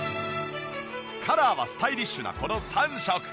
カラーはスタイリッシュなこの３色。